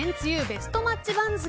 ベストマッチ番付